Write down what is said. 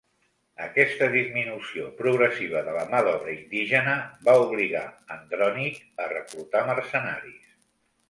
Aquesta disminució progressiva de la mà d'obra indígena, va obligar Andrònic a reclutar mercenaris.